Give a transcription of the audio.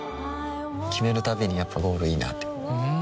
決めるたびにやっぱゴールいいなってふん